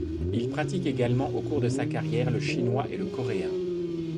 Il pratique également au cours de sa carrière le chinois et le coréen.